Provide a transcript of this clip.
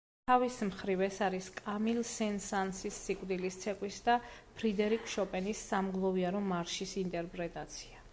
თავის მხრივ, ეს არის კამილ სენ-სანსის „სიკვდილის ცეკვის“ და ფრიდერიკ შოპენის „სამგლოვიარო მარშის“ ინტერპრეტაცია.